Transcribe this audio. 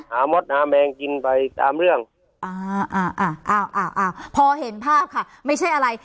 มดหาแมงกินไปตามเรื่องอ่าอ่าอ่าพอเห็นภาพค่ะไม่ใช่อะไร